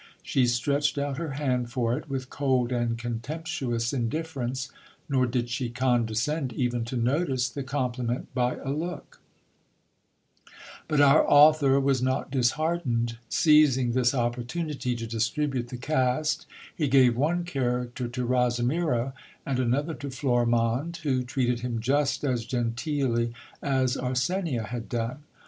She stretched out her hand for it with cold and contemptuous indifference ; nor did she condescend even to notice the compliment by a look. AN A UTHOR'S LIFE. 1 1 But our author was not disheartened. Seizing this opportunity to distribute the cast, he gave one character to Rosimiro and another to Florimonde, who treated him just as genteelly as Arsenia had done.